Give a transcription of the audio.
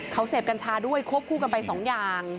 เขาเสพกัญชาด้วยควบคู่กันไปสองอย่าง